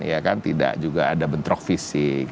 ya kan tidak juga ada bentrok fisik